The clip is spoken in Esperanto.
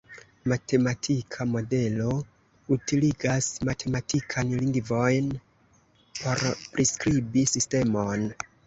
Matematika modelo utiligas matematikan lingvon por priskribi sistemon.